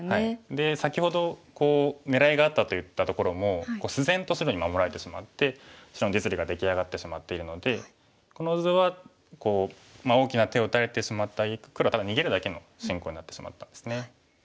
で先ほどこう狙いがあったと言ったところも自然と白に守られてしまって白の実利が出来上がってしまっているのでこの図は大きな手を打たれてしまったり黒はただ逃げるだけの進行になってしまったんですね。